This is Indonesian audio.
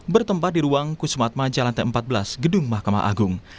bertempat di ruang kusumat maja lantai empat belas gedung mahkamah agung